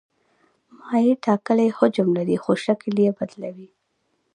مایع ټاکلی حجم لري خو شکل یې بدلوي.